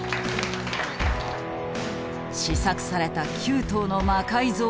試作された９頭の魔改造